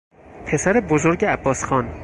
پسر بزرگ عباسخان